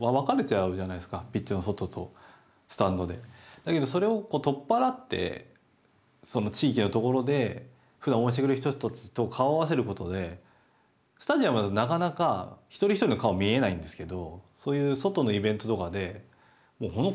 だけどそれを取っ払ってその地域のところでふだん応援してくれる人たちと顔を合わせることでスタジアムだとなかなか一人一人の顔見えないんですけど